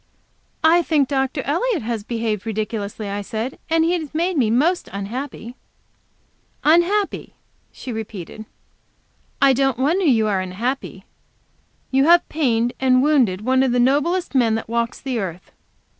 "I think Dr. Elliot has behaved ridiculously," I said, "and he has made me most unhappy." "Unhappy!" she repeated. "I don't wonder you are unhappy. You have pained and wounded one of the noblest men that walks the earth."